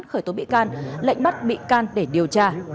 khởi tố bị can lệnh bắt bị can để điều tra